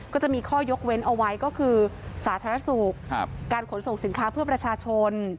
ก็จะมีข้อยกเว้นเอาไว้ก็คือสาธารณสุขการขนส่งสินค้าเพื่อประชาชน